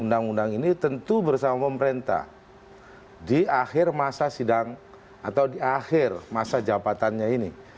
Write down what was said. undang undang ini tentu bersama pemerintah di akhir masa sidang atau di akhir masa jabatannya ini